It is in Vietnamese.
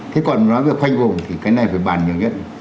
thế còn nói việc khoanh vùng thì cái này phải bàn nhiều nhất